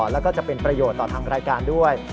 แล้วก็จะเป็นประโยชน์ต่อทางรายการด้วย